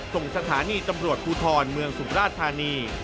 ส่งสถานีตำรวจภูทรเมืองสุมราชธานี